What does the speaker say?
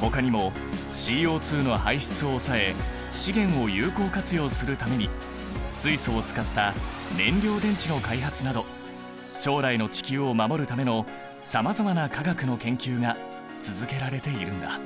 ほかにもＣＯの排出を抑え資源を有効活用するために水素を使った燃料電池の開発など将来の地球を守るためのさまざまな化学の研究が続けられているんだ。